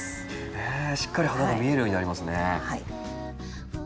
しっかり花が見えるようになりますね。